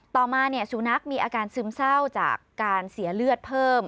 ต่อมาสุนัขมีอาการซึมเศร้าจากการเสียเลือดเพิ่ม